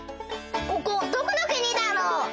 ここどこのくにだろう？